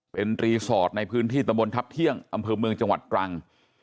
เป็นรีสอร์ทในพื้นที่ตะบนทัพเที่ยงอำเภอเมืองจังหวัดตรัง